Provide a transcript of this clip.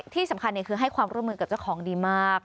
ที่สำคัญคือให้ความร่วมมือกับเจ้าของดีมาก